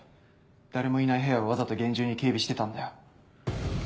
誰もいない部屋をわざと厳重に警備してたんだよ。